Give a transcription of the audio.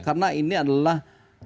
karena ini adalah